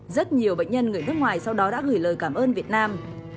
rất nhiều bệnh nhân người nước ngoài sau đó đã gửi lời cảm ơn việt nam